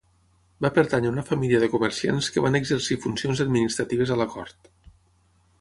Va pertànyer a una família de comerciants que van exercir funcions administratives a la cort.